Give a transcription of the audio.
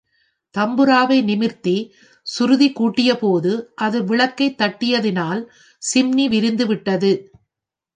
தம்பூராவை நிமிர்த்தி சுருதி கூட்டியபோது அது விளக்கைத் தட்டியதினால் சிம்னி விரிந்து விட்டது.